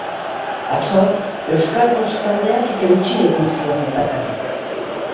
Atzo, euskal kostaldeak eutsi egin zion enbatari.